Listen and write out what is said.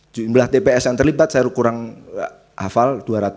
jumlah tps yang terlibat saya kurang hafal